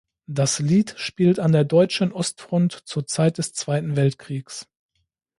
Das Lied spielt an der deutschen Ostfront zur Zeit des Zweiten Weltkriegs.